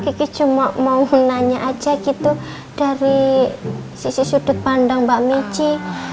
kiki cuma mau nanya aja gitu dari sisi sudut pandang mbak mici